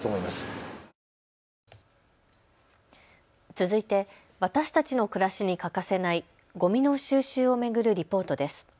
続いて私たちの暮らしに欠かせないゴミの収集を巡るリポートです。